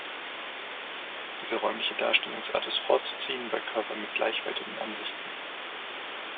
Diese räumliche Darstellungsart ist vorzuziehen bei Körpern mit gleichwertigen Ansichten.